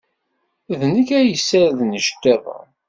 D nekk ay yessarden iceḍḍiḍen.